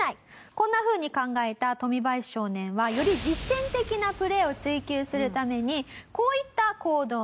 こんなふうに考えたトミバヤシ少年はより実践的なプレイを追求するためにこういった行動に出ました。